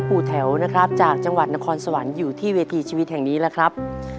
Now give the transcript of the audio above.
ผมชื่อบาร์ดครับอายุ๑๔ปีครับ